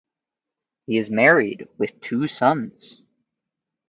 He is married with two sons.